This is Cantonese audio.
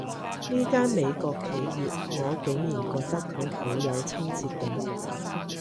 呢間美國企業，我竟然覺得佢好有親切感